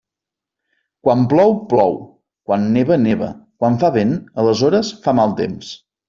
Quan plou, plou; quan neva, neva; quan fa vent, aleshores fa mal temps.